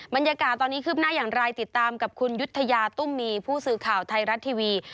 บรรยากาศตอนนี้คืบหน้าอย่างไรติดตามกับคุณยุธยาตุ้มมีผู้สื่อข่าวไทยรัฐทีวี